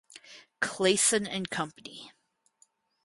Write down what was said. Clayson and Company.